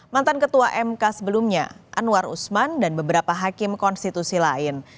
mantan ketua mk sebelumnya anwar usman dan beberapa hakim konstitusi lain